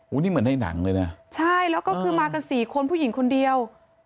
นี่เหมือนในหนังเลยนะใช่แล้วก็คือมากันสี่คนผู้หญิงคนเดียว